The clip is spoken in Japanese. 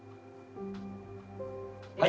はい。